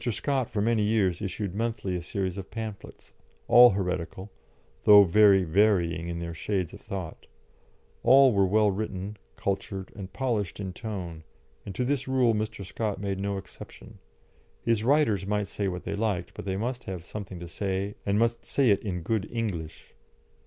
Scott for many years issued monthly a series of pamphlets, all heretical, though very varying in their shades of thought; all were well written, cultured, and polished in tone, and to this rule Mr. Scott made no exception; his writers might say what they liked, but they must have something to say, and must say it in good English.